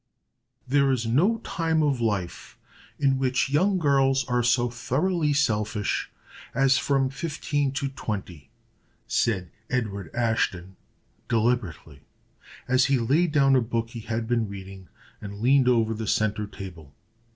"There is no time of life in which young girls are so thoroughly selfish as from fifteen to twenty," said Edward Ashton, deliberately, as he laid down a book he had been reading, and leaned over the centre table.